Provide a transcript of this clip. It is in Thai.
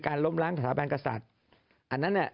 การล้มล้างสาบานกษัตริย์อันนั้น